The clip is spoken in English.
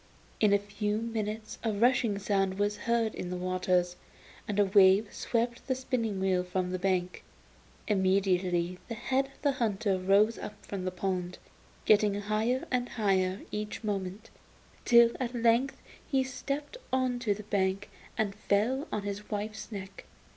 In a few minutes a rushing sound was heard in the waters, and a wave swept the spinning wheel from the bank. Immediately the head of the hunter rose up from the pond, getting higher and higher each moment, till at length he stepped on to the bank and fell on his wife's neck.